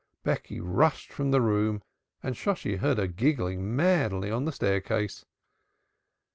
Becky rushed from the room and Shosshi heard her giggling madly on the staircase.